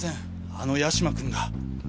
あの八島君が。